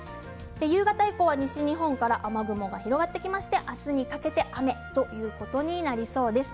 夕方以降、西日本から雨雲が広がってきまして明日にかけて雨ということになりそうです。